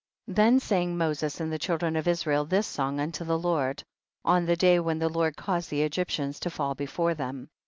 43. Then sang Moses and the chil dren of Israel this song unto the Lord, on the day when the Lord caused the Egyptians to fall before them.